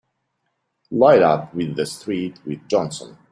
Light up with the street with Johnson!